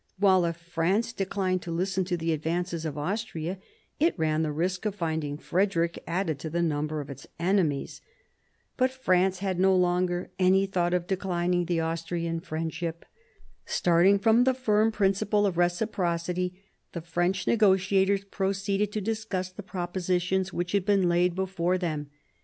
While, if France declined to listen to the advances of Austria, it ran the risk of finding Frederick added to the number of its enemies. But France had no longer any thought of declining the Austrian friend 1748 55 CHANGE OF ALLIANCES 109 ship. Starting from the firm principle of reciprocity, the French negotiators proceeded to discuss the pro positions which had been laid before them.